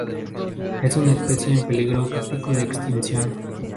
Es una especie en peligro crítico de extinción.